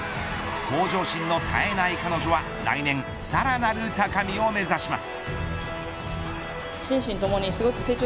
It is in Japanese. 向上心の絶えない彼女は来年さらなる高みを目指します。